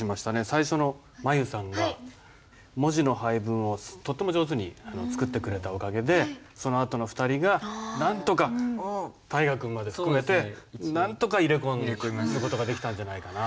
最初の舞悠さんが文字の配分をとっても上手に作ってくれたおかげでそのあとの２人がなんとか大河君まで含めてなんとか入れ込んでいく事ができたんじゃないかな。